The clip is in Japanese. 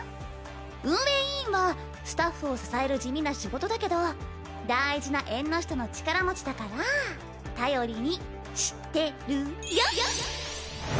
運営委員はスタッフを支える地味な仕事だけどだいじな縁の下の力持ちだから頼りにし・て・る・よ！